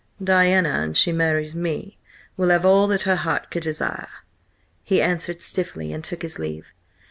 "Diana, an she marries me, will have all that her heart could desire," he answered stiffly, and took his leave.